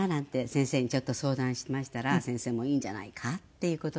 先生にちょっと相談しましたら先生もいいんじゃないかっていう事で。